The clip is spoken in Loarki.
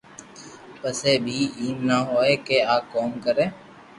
پسي بي ايم نہ ھوئي ڪي آ ڪاو ڪري